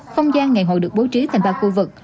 không gian ngày hội được bố trí thành ba khu vực